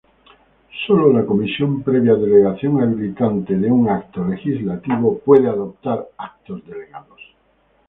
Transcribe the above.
Sólo la Comisión, previa delegación habilitante de un acto legislativo, puede adoptar actos delegados.